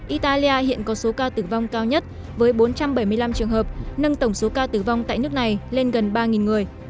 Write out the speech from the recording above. italia hiện có số ca tử vong cao nhất với bốn trăm bảy mươi năm trường hợp nâng tổng số ca tử vong tại nước này lên gần ba người